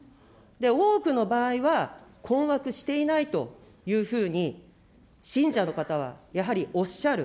多くの場合は、困惑していないというふうに信者の方はやはりおっしゃる。